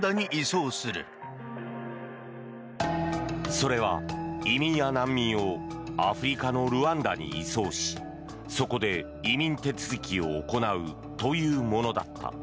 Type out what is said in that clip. それは移民や難民をアフリカのルワンダに移送しそこで移民手続きを行うというものだった。